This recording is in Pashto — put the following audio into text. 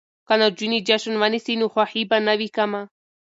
که نجونې جشن ونیسي نو خوښي به نه وي کمه.